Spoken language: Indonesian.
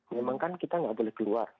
memang kan kita nggak boleh keluar